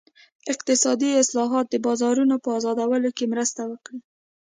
اقتصادي اصلاحات د بازارونو په ازادولو کې مرسته وکړي.